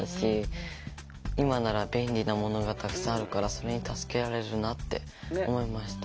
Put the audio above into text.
今なら便利なものがたくさんあるからそれに助けられるなって思いました。